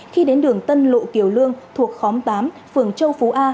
khi đến đường tân lộ kiểu lương thuộc khóm tám phường châu phú a